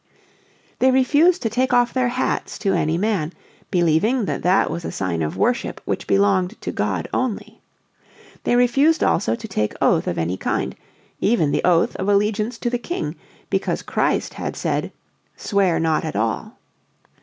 They refused to take off their hats to any man, believing that that was a sign of worship which belonged to God only. They refused also to take oath of any kind, even the oath of allegiance to the King, because Christ had said, "Swear not at all."